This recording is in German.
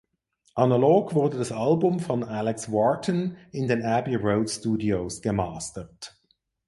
Analog wurde das Album von Alex Wharton in den Abbey Road Studios gemastert.